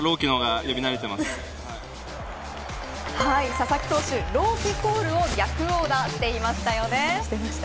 佐々木投手、朗希コールを逆オーダーしていましたよね。